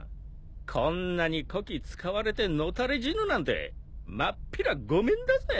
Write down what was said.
こんなにこき使われて野垂れ死ぬなんてまっぴらごめんだぜ。